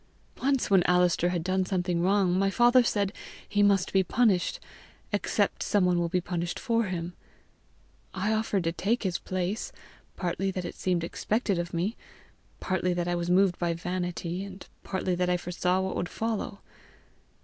Once, when Alister had done something wrong, my father said, 'He must be punished except some one will be punished for him!' I offered to take his place, partly that it seemed expected of me, partly that I was moved by vanity, and partly that I foresaw what would follow."